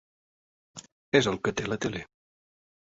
És el que té la tele.